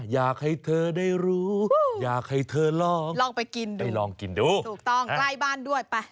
อยากให้เธอลองลองไปกินดูไปลองกินดูถูกต้องใกล้บ้านด้วยไป